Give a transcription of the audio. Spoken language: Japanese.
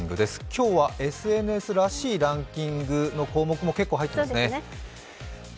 今日はＳＮＳらしいランキングの項目も結構入っていますね。